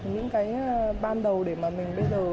những cái ban đầu để mà mình bây giờ